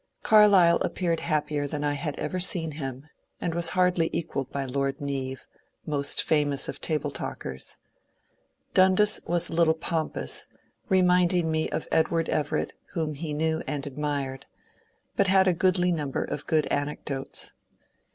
Carlyle appeared happier than I had ever seen him, and was hardly equalled by Lord Neave, most famous of table talkers. Dundas was a little pompous, — reminding me of Edward Everett, whom he knew and admired, — but had a goodly number of good anecdotes.